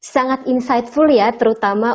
sangat insightful ya terutama